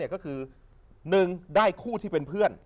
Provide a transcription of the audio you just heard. ก็คือ๑ได้คู่ที่เป็นเพื่อน